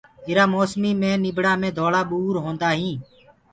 اِيرآ موسميٚ مي نيٚڀڙآ مي ڌوݪآ ٻور هونٚدآ هينٚ